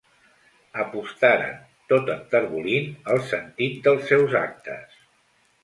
Apostaren, tot enterbolint el sentit dels seus actes.